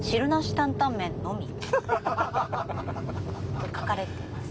うん。と書かれています。